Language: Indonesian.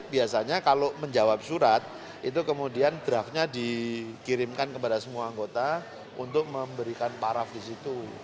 biasanya kalau menjawab surat itu kemudian draftnya dikirimkan kepada semua anggota untuk memberikan paraf di situ